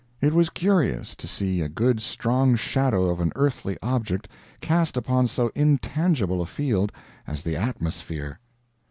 It was curious to see a good strong shadow of an earthly object cast upon so intangible a field as the atmosphere.